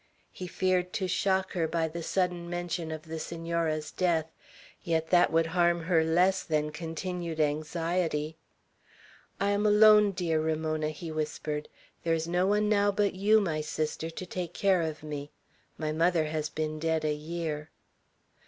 He feared to shock her by the sudden mention of the Senora's death; yet that would harm her less than continued anxiety. "I am alone, dear Ramona," he whispered. "There is no one now but you, my sister, to take care of me. My mother has been dead a year."